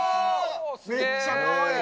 めっちゃかわいい。